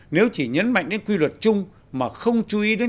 nếu chỉ nhấn mạnh đến quy luật chung mà không chú ý đến